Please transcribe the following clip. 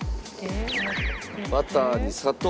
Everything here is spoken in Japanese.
バターに砂糖。